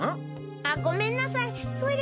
あごめんなさいトイレ